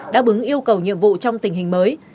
đã bứng yêu cầu nhiệm vụ trong tình hình mới